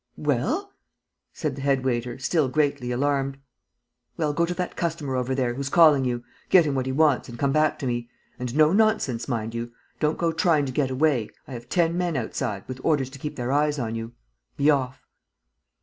"Well?" said the head waiter, still greatly alarmed. "Well, go to that customer over there, who's calling you, get him what he wants and come back to me. And no nonsense, mind you: don't go trying to get away. I have ten men outside, with orders to keep their eyes on you. Be off."